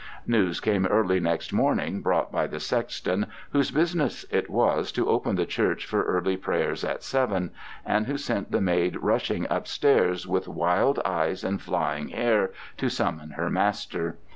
News came early next morning, brought by the sexton, whose business it was to open the church for early prayers at seven, and who sent the maid rushing upstairs with wild eyes and flying hair to summon her master.